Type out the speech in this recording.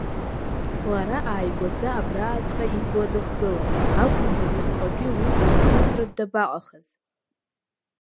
Лара ааигәаӡа абрааҵәҟьа ибла дыхгылан, акәымзар усҟатәи уи длызхәыцратә дабаҟахыз.